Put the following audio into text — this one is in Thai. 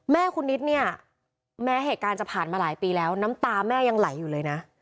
แม่คุณนิดเนี่ยแม้เหตุการณ์จะผ่านมาหลายปีแล้วน้ำตาแม่ยังไหลอยู่เลยนะ